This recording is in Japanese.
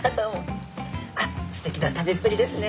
すてきな食べっぷりですね！